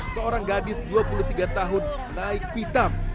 seorang gadis dua puluh tiga tahun naik pitam